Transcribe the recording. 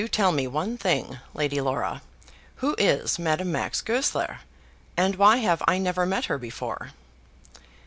"Do tell me one thing, Lady Laura; who is Madame Max Goesler, and why have I never met her before?"